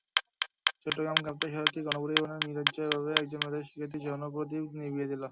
চট্টগ্রাম-কাপ্তাই সড়কে গণপরিবহনের নৈরাজ্যই এভাবে একজন মেধাবী শিক্ষার্থীর জীবনপ্রদীপ নিভিয়ে দিল।